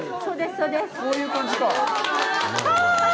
こういう感じか？